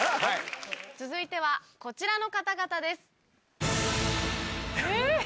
続いてはこちらの方々です。え？